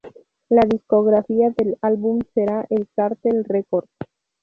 La discográfica del álbum será El Cartel Records.